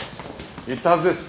言ったはずです。